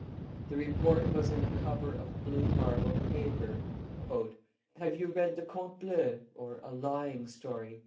The Report was in a cover of blue marbled paper. Have you read the Conte bleu (a lying story)?"